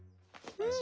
うん。